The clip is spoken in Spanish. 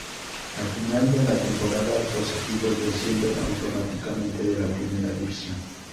Al final de la temporada, dos equipos descienden automáticamente de la Primera División.